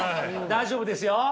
大丈夫ですよ！